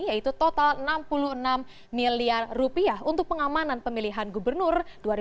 yaitu total rp enam puluh enam miliar rupiah untuk pengamanan pemilihan gubernur dua ribu dua puluh